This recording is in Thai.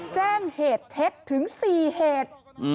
แจ้งเหตุเท็จถึง๔เหตุ